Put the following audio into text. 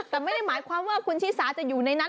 แต่ไม่ได้หมายความว่าคุณชิสาจะอยู่ในนั้น